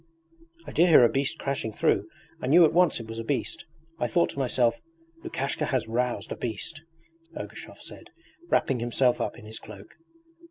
'I did hear a beast crashing through. I knew at once it was a beast. I thought to myself: "Lukashka has roused a beast,"' Ergushov said, wrapping himself up in his cloak.